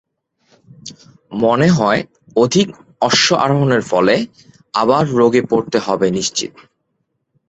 মনে হয়, অধিক অশ্বারোহণের ফলে আবার রোগে পড়তে হবে নিশ্চিত।